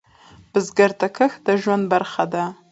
بزګر ته کښت د ژوند برخه ده